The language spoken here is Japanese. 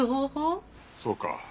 そうか。